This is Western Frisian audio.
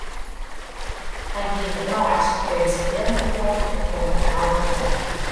Hy giet op reis, bringt syn jild dertroch en komt by heit werom.